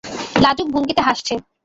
লাজুক ভঙ্গিতে হাসছে।